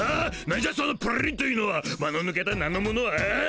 なんじゃそのプリンというのは間のぬけた名のものは。ああ？